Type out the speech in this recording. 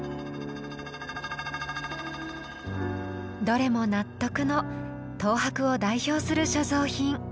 どれも納得の東博を代表する所蔵品。